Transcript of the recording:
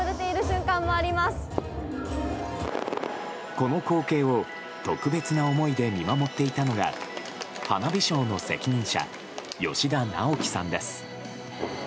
この光景を特別な思いで見守っていたのが花火ショーの責任者吉田直樹さんです。